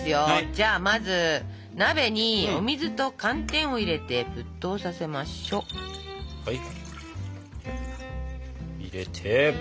じゃあまず鍋にお水と寒天を入れて沸騰させましょ。入れて。